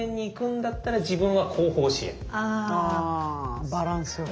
あバランスよく。